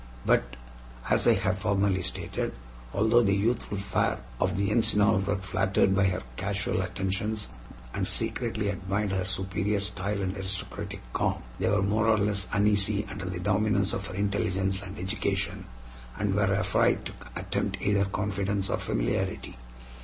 But, as I have formerly stated, although the youthful fair of the Encinal were flattered by her casual attentions, and secretly admired her superior style and aristocratic calm, they were more or less uneasy under the dominance of her intelligence and education, and were afraid to attempt either confidence or familiarity.